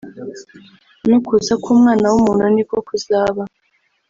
no kuza k’Umwana w’umuntu ni ko kuzaba